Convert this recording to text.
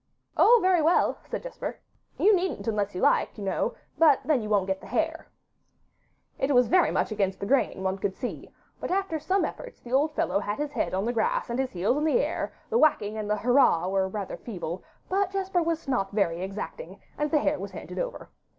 'Oh, very well,' said Jesper, 'you needn't unless you like, you know; but then you won't get the hare.' It went very much against the grain, one could see, but after some efforts the old fellow had his head on the grass and his heels in the air; the whacking and the 'Hurrah' were rather feeble, but Jesper was not very exacting, and the hare was handed over.